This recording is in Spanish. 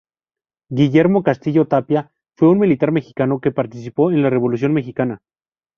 Guillermo Castillo Tapia fue un militar mexicano que participó en la Revolución mexicana.